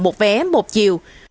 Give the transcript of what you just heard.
một vé một chiều